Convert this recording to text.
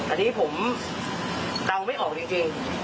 อันนี้ผมเดาไม่ออกจริง